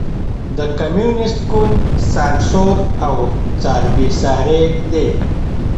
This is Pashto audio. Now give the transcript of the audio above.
د کمونېست ګوند سانسور او څار بېساری دی.